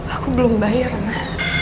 aku belum bayar ma